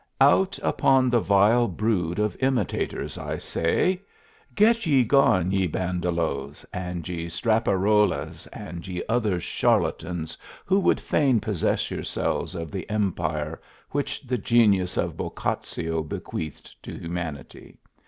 Out upon the vile brood of imitators, I say! Get ye gone, ye Bandellos and ye Straparolas and ye other charlatans who would fain possess yourselves of the empire which the genius of Boccaccio bequeathed to humanity.